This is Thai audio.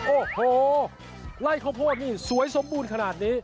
โอ้โหไล่ข้าวโพดนี่สวยสมบูรณ์ขนาดนี้